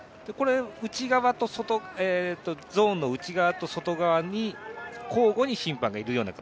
ゾーンの内側と外側に交互に審判がいるような形？